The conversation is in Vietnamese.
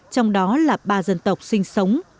trong đó là ba dân tộc sinh sống